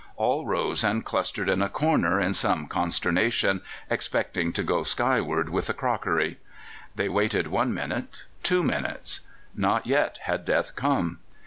All rose and clustered in a corner in some consternation, expecting to go skywards with the crockery. They waited one minute, two minutes. Not yet had death come!